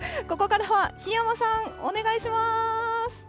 ここからは檜山さん、お願いしまーす。